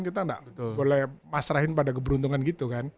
kita nggak boleh pasrahin pada keberuntungan gitu kan